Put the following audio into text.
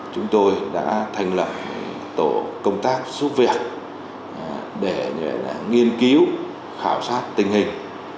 chúng tôi đã thành lập tổ công tác giúp việc để nghiên cứu khảo sát tình hình